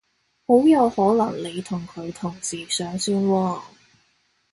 好有可能你同佢同時上線喎